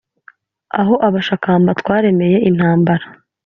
aho abashakamba twaremeye intambara.